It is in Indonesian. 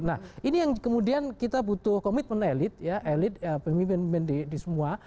nah ini yang kemudian kita butuh komitmen elit ya elit pemimpin pemimpin di semua